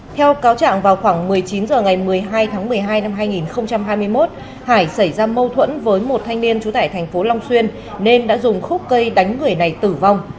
theo cáo trạng vào khoảng một mươi chín h ngày một mươi hai tháng một mươi hai năm hai nghìn hai mươi một hải xảy ra mâu thuẫn với một thanh niên trú tại thành phố long xuyên nên đã dùng khúc cây đánh người này tử vong